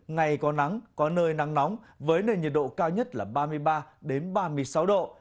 ngày có nắng có nơi nắng nóng với nền nhiệt độ cao nhất là ba mươi ba ba mươi sáu độ